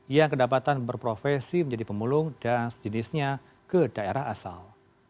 yang kedapatan berprofesi menjadi pemulung dan sejenisnya ke daerah asal